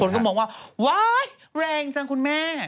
คนก็บอกว่าว้ายยยยยแรงจังคุณแม่